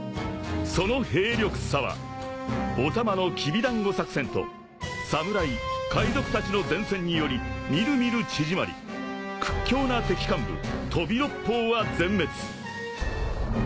［その兵力差はお玉のきびだんご作戦と侍海賊たちの善戦により見る見る縮まり屈強な敵幹部飛び六胞は全滅］